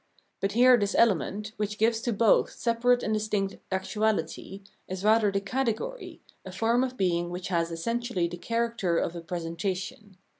But here this element, which gives to both separate and distinct actuality, is rather the category, a form of being which has essentially the character of a presentation.